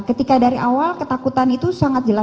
ketika dari awal ketakutan itu sangat jelas